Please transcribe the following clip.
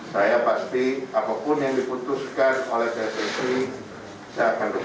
saya pasti apapun yang diputuskan oleh